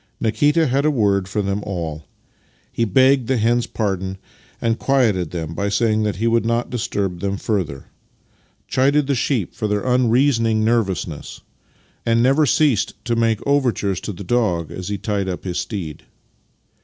Nikita had a word for them all. He begged the hens' pardon, and quieted them by saying that he would not disturb them further; chided the sheep for their unreasoning nervousness; and never ceased to make overtures to the dog as he tied up his steed.